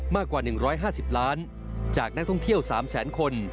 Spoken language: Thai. มากกว่า๑๕๐ล้านจากนักท่องเที่ยว๓แสนคน